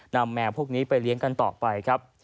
แมวพวกนี้ไปเลี้ยงกันต่อไปครับ